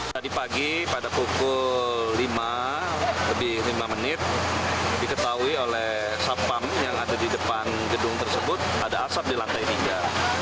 tadi pagi pada pukul lima lebih lima menit diketahui oleh satpam yang ada di depan gedung tersebut ada asap di lantai tiga